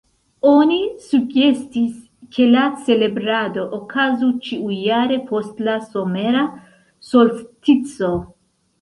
Oni sugestis, ke la celebrado okazu ĉiujare post la somera solstico.